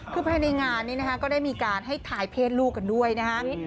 คือภายในงานนี้นะคะก็ได้มีการให้ทายเพศลูกกันด้วยนะฮะ